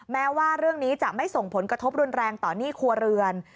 แม้ว่าเรื่องนี้จะไม่ส่งผลกระทบรุนแรงต่อหนี้ครัวเรือน